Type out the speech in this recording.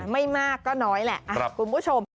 ไม่มากก็น้อยแหละคุณผู้ชม